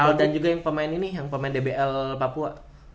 kalau dan juga yang pemain ini yang pemain dbl papua